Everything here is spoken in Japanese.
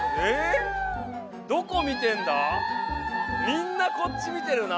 みんなこっち見てるな。